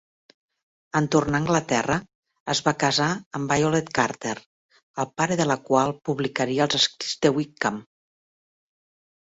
En tornar a Anglaterra, es va casar amb Violet Carter, el pare de la qual publicaria els escrits de Wickham.